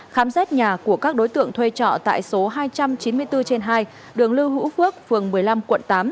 khám xét nhà của các đối tượng thuê trọ tại số hai trăm chín mươi bốn trên hai đường lưu hữu phước phường một mươi năm quận tám